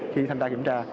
khi thanh tra kiểm tra